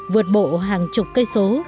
vượt bộ hàng chục cây số